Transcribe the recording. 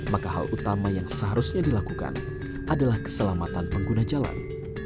maka hal utama yang seharusnya dilakukan adalah keselamatan pengguna jalan